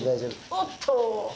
おっと。